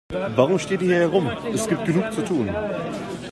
Warum steht ihr hier herum, es gibt genug zu tun.